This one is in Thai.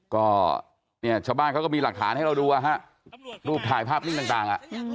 ก็เนี่ยชาวบ้านเขาก็มีหลักฐานให้เราดูรูปถ่ายภาพนิ่งต่าง